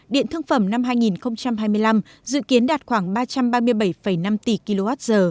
điện thương phẩm năm hai nghìn hai mươi năm dự kiến đạt khoảng ba trăm ba mươi bảy năm tỷ kwh